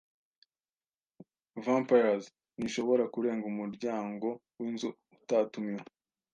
Vampires ntishobora kurenga umuryango winzu utatumiwe.